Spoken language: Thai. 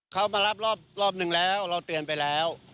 เขามารับรอบนึงแล้วเราเตือนไปแล้ว